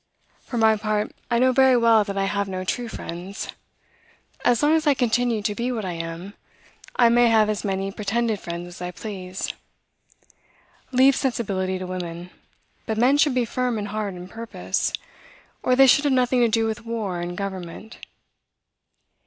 For my part, I know very well that I have no true friends. As long as I continue to be what I am, I may have as many pretended friends as I please. Leave sensibility to women; but men should be firm in heart and purpose, or they should have nothing to do with war and government."